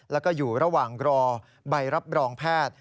แล้วก็อยู่ระหว่างรอใบรับรองแพทย์